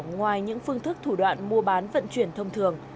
ngoài những phương thức thủ đoạn mua bán vận chuyển thông thường